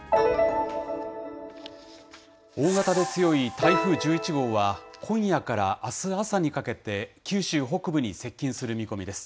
大型で強い台風１１号は、今夜からあす朝にかけて、九州北部に接近する見込みです。